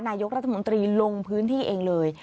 นายกรัฐมนตรีลงพื้นที่เองเลย